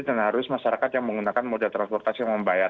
dan harus masyarakat yang menggunakan modal transportasi yang membayar